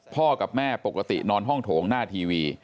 กับแม่ปกตินอนห้องโถงหน้าทีวี